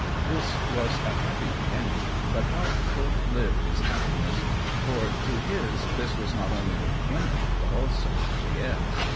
This was a happy beginning; but how short lived is happiness, for to his this was not only the beginning but also the end.